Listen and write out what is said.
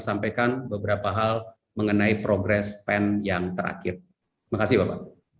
sampaikan beberapa hal mengenai progres pen yang terakhir terima kasih selanjutnya profiku